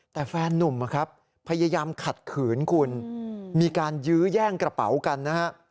แต่แฟนนุ่มนะครับพยายามขัดขืนคุณมีการยื้อแย่งกระเป๋ากันนะฮะ